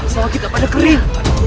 sawa kita pada kering